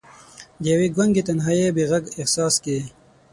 د یوې ګونګې تنهايۍ بې ږغ احساس کې